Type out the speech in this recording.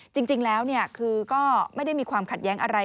จริงแล้วคือก็ไม่ได้มีความขัดแย้งอะไร